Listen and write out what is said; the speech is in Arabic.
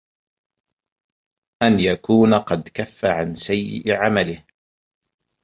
أَنْ يَكُونَ قَدْ كَفَّ عَنْ سَيِّئِ عَمَلِهِ